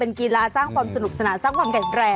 เรียกเขาถูกต้องนะได้เลย